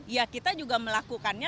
ya kita juga melakukannya